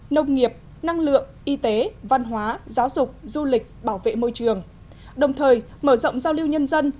nông nghiệp năng lượng y tế văn hóa giáo dục du lịch bảo vệ môi trường đồng thời mở rộng giao lưu nhân dân